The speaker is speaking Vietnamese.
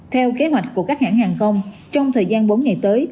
theo kế hoạch của các hãng hàng không trong thời gian bốn ngày tới